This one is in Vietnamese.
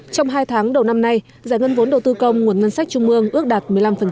trong hai tháng đầu năm nay giải ngân vốn đầu tư công nguồn ngân sách trung ương ước đạt một mươi năm